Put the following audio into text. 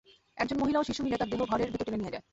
একজন মহিলা ও শিশু মিলে তার দেহ ঘরের ভেতরে টেনে নিয়ে যায়।